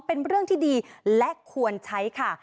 เป็นเรื่องที่ดีและควรใช้ค่ะ